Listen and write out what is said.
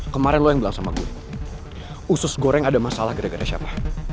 kemarin lo yang bilang sama gue usus goreng ada masalah gara gara siapa